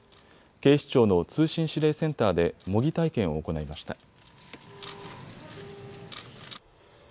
警視庁の通信指令センターで模擬体験を行いました。